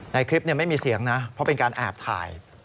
ในคลิปไม่มีเสียงนะเพราะเป็นการแอบถ่าย